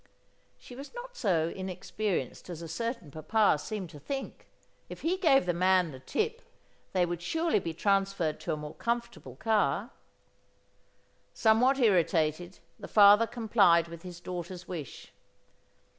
She was not so inexperienced as a certain papa seemed to think. If he gave the man the tip they would surely be transferred to a more comfortable car. Somewhat irritated, the father complied with his daughter's wish.